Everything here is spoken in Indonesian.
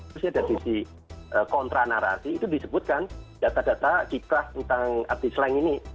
terus ada di kontra narasi itu disebutkan data data kipas tentang abdi sleng ini